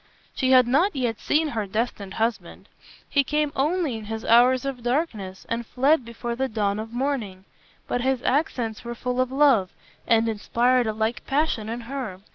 She had not yet seen her destined husband. He came only in the hours of darkness and fled before the dawn of morning, but his accents were full of love, and inspired a like passion in her.